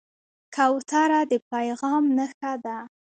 کوتره د پیغام نښه ده.